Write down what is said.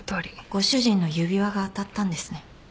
ご主人の指輪が当たったんですね。